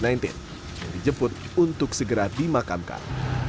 yang dijemput untuk segera dimakamkan